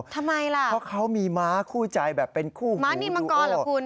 ทำไมล่ะเพราะเขามีม้าคู่ใจแบบเป็นคู่ม้านี่มังกรเหรอคุณ